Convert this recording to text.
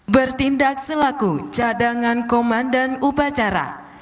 bertindak selaku cadangan komandan upacara